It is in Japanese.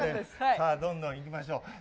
さあ、どんどんいきましょう。